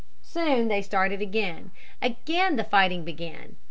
Soon they started again. Again the fighting began.